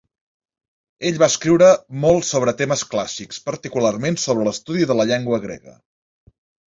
Ell va escriure molt sobre temes clàssics, particularment sobre l'estudi de la llengua grega.